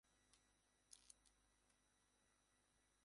আশা রাগিয়া চলিয়া গেল–তাহার চোখ দিয়া জল পড়িতে লাগিল।